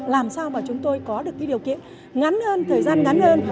làm sao mà chúng tôi có được cái điều kiện ngắn hơn thời gian ngắn hơn